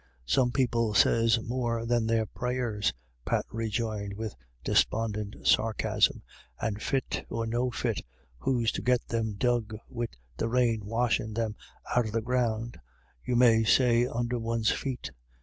" Some people sez more than their prayers," Pat rejoined, with despondent sarcasm, "and fit or no fit, who's to get them dug wid the rain washin* them out o' the ground, you may say, under one's feet